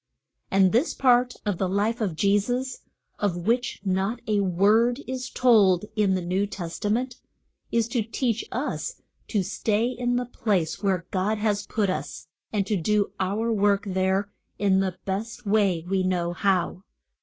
And this part of the life of Je sus of which not a word is told in the New Test a ment is to teach us to stay in the place where God has put us, and to do our work there in the best way we know how.